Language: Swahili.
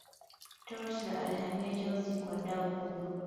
Torres alihamia Chelsea kwa dau kubwa